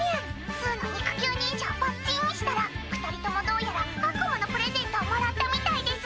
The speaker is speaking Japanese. すうの肉球認証ポッチーンしたら２人ともどうやら悪夢のプレゼントをもらったみたいです。